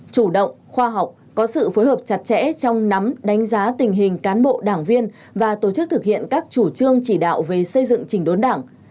chủ động khoa học có sự phối hợp chặt chẽ trong nắm đánh giá tình hình cán bộ đảng viên và tổ chức thực hiện các chủ trương chỉ đạo về xây dựng trình đốn đảng